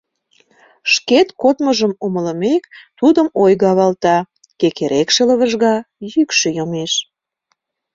Шкет кодмыжым умылымек, тудым ойго авалта: кекерекше лывыжга, йӱкшӧ йомеш.